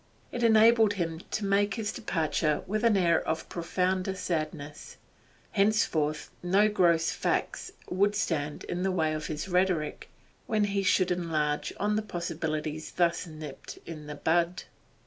It enabled him to take his departure with an air of profounder sadness; henceforth no gross facts would stand in the way of his rhetoric when he should enlarge on the possibilities thus nipped in the bud.